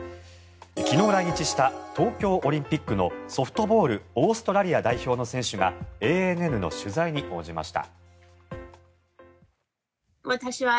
昨日来日した東京オリンピックのソフトボールオーストラリア代表の選手がＡＮＮの取材に応じました。